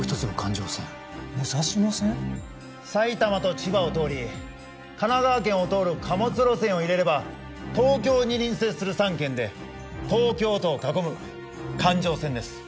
埼玉と千葉を通り神奈川県を通る貨物路線を入れれば東京に隣接する３県で東京都を囲む環状線です。